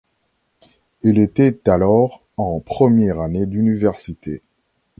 Elle était alors en première année d'université.